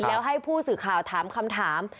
แล้วให้ผู้สื่อข่าวถามคำถาม